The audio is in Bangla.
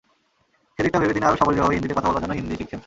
সেদিকটা ভেবে তিনি আরও সাবলীলভাবে হিন্দিতে কথা বলার জন্য হিন্দি শিখছেন।